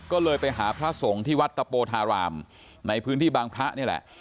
ก็เลยไปหาพระสงฆ์ที่วัดตะโปธารามในพื้นที่บางพระนี่แหละ